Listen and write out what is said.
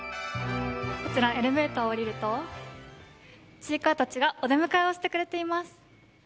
エレベーターを降りるとちいかわたちがお出迎えをしてくれています。